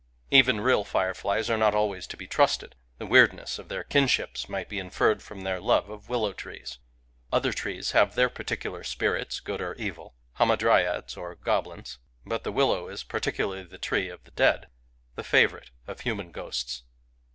Even real fireflies are not always to be trusted; — the weirdness of their kinships might be inferred from their love of willow trees. Other trees have their particular spirits, good or evil, hamadryads or goblins ; but the willow is particularly the tree of the dead — the favourite of human ghosts.